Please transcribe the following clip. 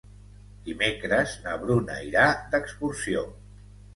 Dimecres na Bruna irà d'excursió.